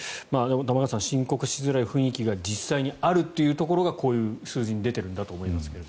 玉川さん申告しづらい雰囲気が実際にあるというところがこういう数字に出ているんだと思いますが。